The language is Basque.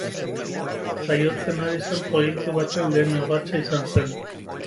Jaiotzen ari zen proiektu baten lehen urratsa izan zen.